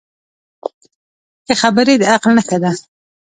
ښه خبرې د عقل نښه ده